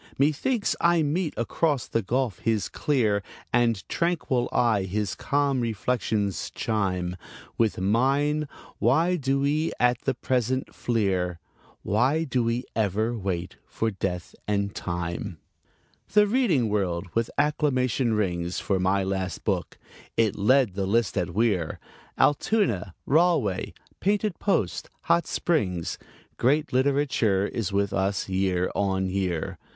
Methinks I meet across the gulf his clear And tranquil eye; his calm reflections chime With mine: "Why do we at the present fleer? Why do we ever wait for Death and Time?" The reading world with acclamation rings For my last book. It led the list at Weir, Altoona, Rahway, Painted Post, Hot Springs: Great literature is with us year on year.